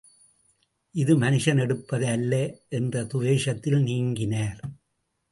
இது மனுஷன் எடுப்பது அல்ல என்ற துவேஷத்தில் நீங்கினர்.